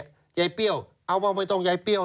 ยายเปรี้ยวเอาว่าไม่ต้องยายเปรี้ยว